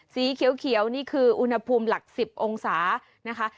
สีเขียวนี่คืออุณหภูมิหลัก๑๐องศานะคะ